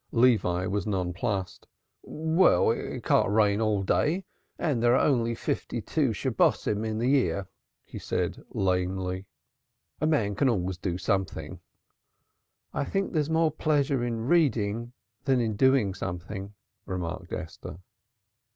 Levi was nonplussed. "Well, it can't rain all day and there are only fifty two Shabbosim in the year," he said lamely. "A man can always do something." "I think there's more pleasure in reading than in doing something," remarked Esther.